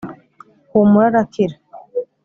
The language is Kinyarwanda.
humura arakira